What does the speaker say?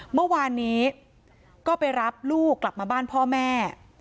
เมื่อวานนี้ก็ไปรับลูกกลับมาบ้านพ่อแม่